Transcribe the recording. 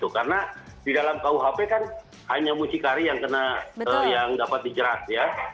karena di dalam kuhp kan hanya muncikari yang dapat dicerat ya